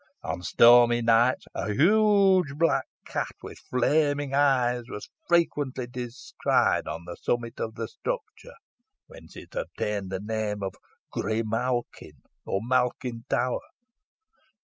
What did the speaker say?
On stormy nights a huge black cat, with flaming eyes, was frequently descried on the summit of the structure, whence it obtained its name of Grimalkin, or Malkin Tower.